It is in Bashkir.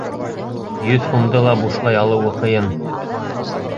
Йөҙ һумды ла бушлай алыуы ҡыйын.